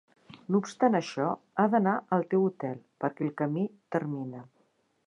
No obstant això, ha d'anar al teu hotel, perquè el camí termina.